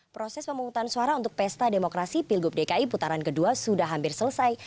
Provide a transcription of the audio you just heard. proses pemutusan suara untuk pesta demokrasi pilgub dki putaran ke dua sudah hampir selesai